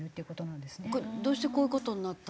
どうしてこういう事になった？